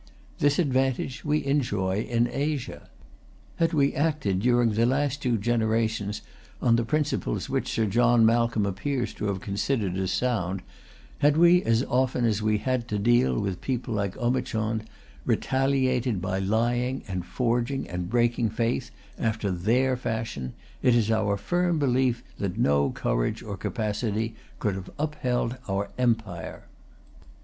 This advantage we enjoy in Asia. Had we acted during the last two generations on the principles which Sir John Malcolm appears to have considered as sound, had we as often as we had to deal with people like Omichund, retaliated by lying and forging, and breaking faith, after their fashion, it is our firm belief that no courage or capacity could have upheld our empire.